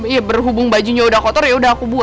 ya berhubung bajunya udah kotor ya udah aku bawa